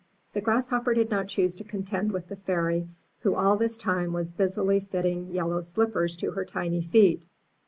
The Grasshopper did not choose to contend with the Fairy, who all this time was busily fitting yellow slippers to her tiny feet.